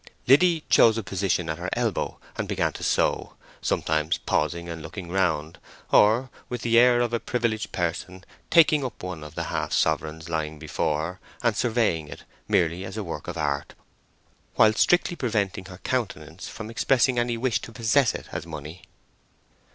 Liddy chose a position at her elbow and began to sew, sometimes pausing and looking round, or, with the air of a privileged person, taking up one of the half sovereigns lying before her and surveying it merely as a work of art, while strictly preventing her countenance from expressing any wish to possess it as money.